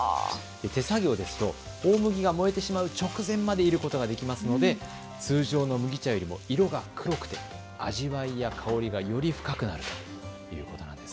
手作業ですと大麦が燃えてしまう直前までいることができますので通常の麦茶より色が黒く味わいや香りが、より深くなるということなんです。